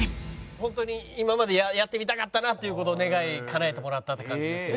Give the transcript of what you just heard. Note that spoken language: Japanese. ホントに今までやってみたかったなという事を願いかなえてもらったって感じですね。